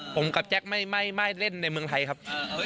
ผมกับแจ๊คไม่เล่นในเมืองไทยครับ